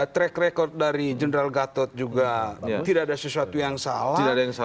track record dari general gatot juga tidak ada sesuatu yang salah